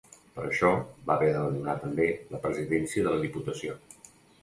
Per això, va haver d'abandonar també la presidència de la Diputació.